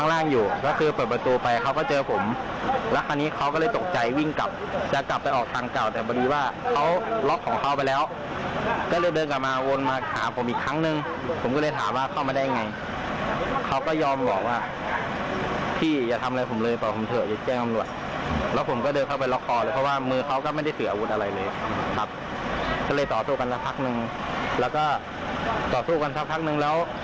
แล้วก็ต่อสู้กันสักนึงแล้ว